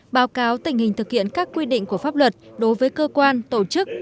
báo cáo tình hình thực hiện các quy định của pháp luật đối với cơ quan tổ chức